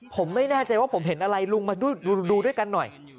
ผมไม่แน่ใจว่าผมเห็นอะไรลุงมาดูด้วยกันหน่อย